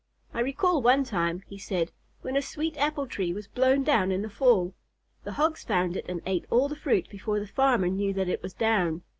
"I recall one time," he said, "when a sweet apple tree was blown down in the fall. The Hogs found it and ate all the fruit before the farmer knew that it was down.